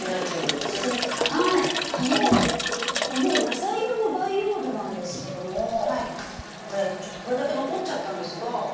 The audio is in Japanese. あのちょっとこの野菜用培養土なんですけどもこれちょっとこれだけ残っちゃったんですが。